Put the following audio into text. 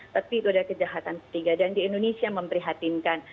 tapi itu adalah kejahatan ketiga dan di indonesia memprihatinkan